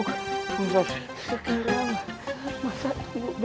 masa tunggu besok